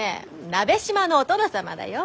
鍋島のお殿様だよ。